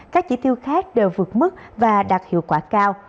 các chỉ tiêu khác đều vượt mức và đạt hiệu quả cao